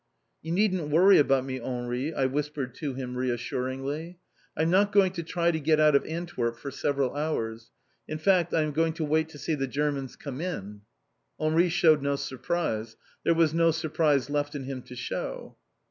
"You needn't worry about me, Henri," I whispered to him reassuringly. "I'm not going to try to get out of Antwerp for several hours. In fact, I am going to wait to see the Germans come in!" Henri showed no surprise. There was no surprise left in him to show.